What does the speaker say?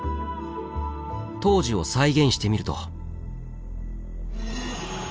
当時を再現してみると。